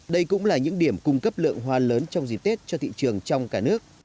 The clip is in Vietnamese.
đây cũng là những điểm cung cấp lượng hoa lớn trong dịp tết cho thị trường trong cả nước